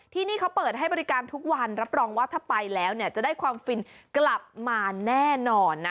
ที่นี่เขาเปิดให้บริการทุกวันรับรองว่าถ้าไปแล้วเนี่ยจะได้ความฟินกลับมาแน่นอนนะ